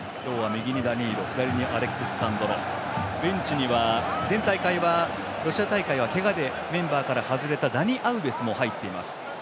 左にアレックス・サンドロベンチには前大会ロシア大会はけがでメンバーから外れたダニ・アウベスも入っています。